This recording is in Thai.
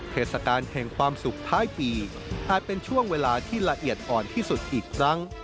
เทศกาลแห่งความสุขท้ายปีอาจเป็นช่วงเวลาที่ละเอียดอ่อนที่สุดอีกครั้ง